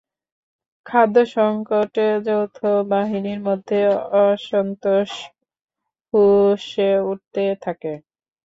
খাদ্য-সংকটে যৌথবাহিনীর মধ্যে অসন্তোষ ফুঁসে উঠতে থাকে।